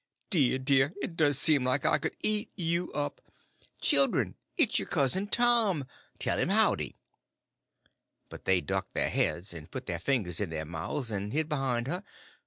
Dear, dear, it does seem like I could eat you up! Children, it's your cousin Tom!—tell him howdy." But they ducked their heads, and put their fingers in their mouths, and hid behind her.